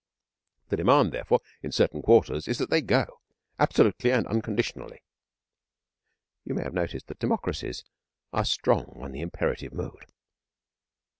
The demand, therefore, in certain quarters is that they go absolutely and unconditionally. (You may have noticed that Democracies are strong on the imperative mood.)